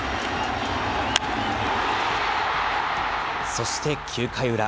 そして９回裏。